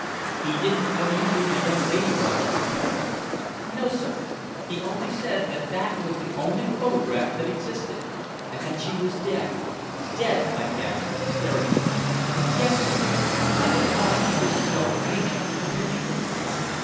"He didn't tell you who the young lady was, I suppose?" "No, sir. He only said that that was the only photograph that existed, and that she was dead." "Dead!" I gasped, staring at her. "Yes, sir. That was why he was so anxious for the picture."